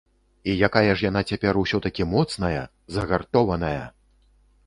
І якая ж яна цяпер усё-такі моцная, загартованая!